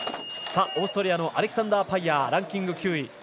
オーストリアのアレキサンダー・パイヤーランキング９位。